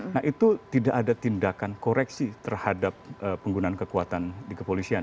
nah itu tidak ada tindakan koreksi terhadap penggunaan kekuatan di kepolisian